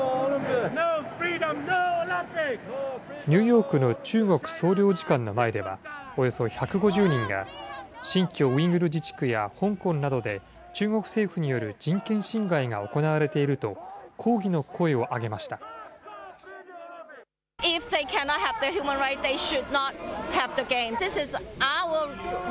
ニューヨークの中国総領事館の前では、およそ１５０人が新疆ウイグル自治区や香港などで中国政府による人権侵害が行われていると、抗議の声を上げました。